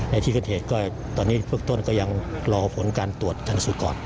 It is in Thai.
ในที่เกิดเหตุก็ตอนนี้พวกต้นก็ยังรอผลการตรวจการสูตรก่อนนะครับ